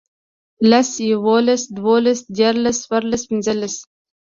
لس، يوولس، دوولس، ديارلس، څوارلس، پينځلس